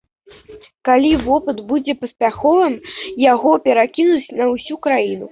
Калі вопыт будзе паспяховым, яго перакінуць на ўсю краіну.